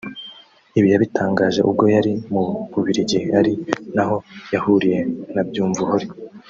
Ibi yabitangaje ubwo yari mu Bubiligi ari naho yahuriye na Byumvuhore